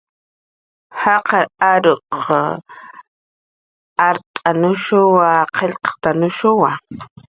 Jaqar aruq art'anushuwa, qillqt'anushuwa